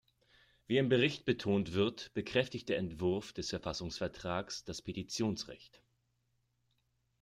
Wie im Bericht betont wird, bekräftigt der Entwurf des Verfassungsvertrags das Petitionsrecht.